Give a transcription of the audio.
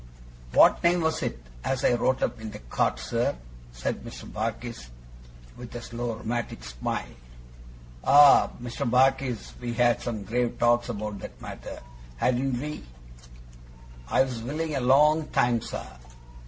'What name was it, as I wrote up in the cart, sir?' said Mr. Barkis, with a slow rheumatic smile. 'Ah! Mr. Barkis, we had some grave talks about that matter, hadn't we?' 'I was willin' a long time, sir?